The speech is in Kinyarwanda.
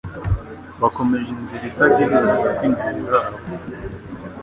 Bakomeje inzira itagira urusaku inzira zabo.